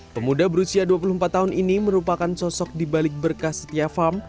pemuda berusia dua puluh empat tahun ini merupakan sosok dibalik berkah setia farm